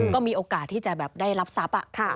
ก็มีโอกาสที่จะแบบได้รับทรัพย์